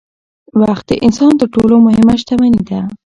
وخت د انسان تر ټولو مهمه شتمني ده